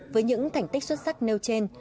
với những thành tích xuất sắc nêu trên